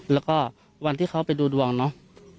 แล้วก็วันที่เขาไปดูดวงเนาะ